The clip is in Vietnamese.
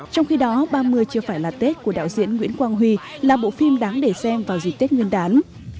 trong khi đó ba mươi chưa phải là tết của đạo diễn nguyễn quang huy là bộ phim đáng để xem vào dịp tết nguyên đán